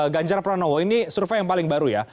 ganjar pranowo ini survei yang paling baru ya